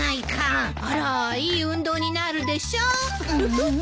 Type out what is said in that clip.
あらいい運動になるでしょ。